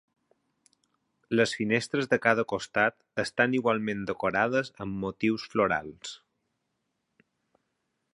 Les finestres de cada costat estan igualment decorades amb motius florals.